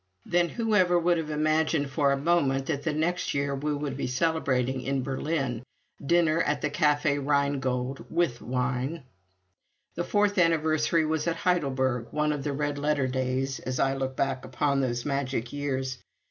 Then, whoever would have imagined for a moment that the next year we would be celebrating in Berlin dinner at the Café Rheingold, with wine! The fourth anniversary was at Heidelberg one of the red letter days, as I look back upon those magic years.